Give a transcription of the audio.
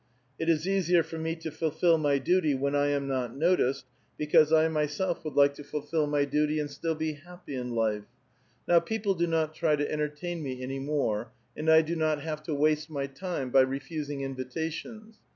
It is easier for me to fulfil my duty when I am not noticed, because I myself would like to fulfil my A VITAL QUESTION. 801 duty and still be happy in life. Now people do not try to entertain me any more, and I do not have to waste my time by refusing invitations.